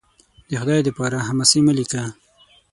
د خدای دپاره! حماسې مه لیکه